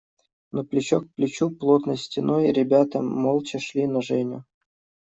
Но плечо к плечу, плотной стеной ребята молча шли на Женю.